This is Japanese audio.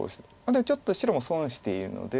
でもちょっと白も損しているので。